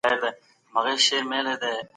انسان قربانۍ ته لیواله کیږي.